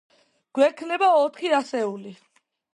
გვექნება ოთხი ასეული.